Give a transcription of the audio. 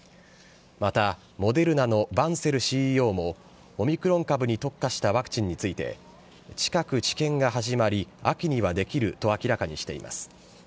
また、モデルナのバンセルＣＥＯもオミクロン株に特化したワクチンについて、近く、治験が始まり、秋にはできると明らかにしています。